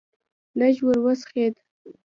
لږ ور وڅخېد.